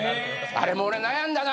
あれも悩んだな。